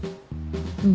うん